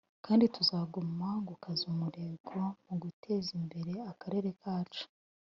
kandi tuzaguma gukaza umurego muguteza imbere Akarere kacu”